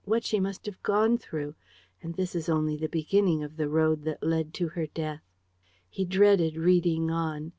"What she must have gone through! And this is only the beginning of the road that led to her death. ..." He dreaded reading on.